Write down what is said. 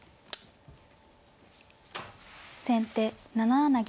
先手７七銀。